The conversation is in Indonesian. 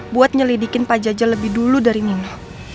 buat nyelidikin panjaja lebih dulu dari nino